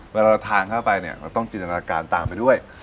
เวลาเราทานเข้าไปเนี่ยเราต้องจินตนาการตามไปด้วย